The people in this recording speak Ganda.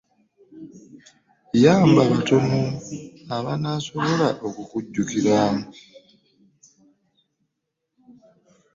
Yamba batono abanaasobola okukujjukira.